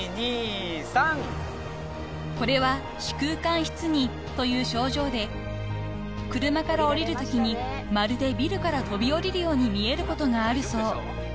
［これは視空間失認という症状で車から降りるときにまるでビルから飛び降りるように見えることがあるそう］